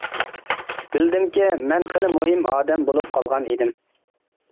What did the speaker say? بىلدىمكى مەن خېلى مۇھىم ئادەم بولۇپ قالغان ئىدىم.